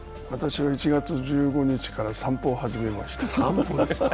私は１月１５日から散歩を始めました。